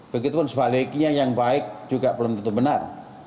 begitupun sebaliknya yang baik juga belum tentu benar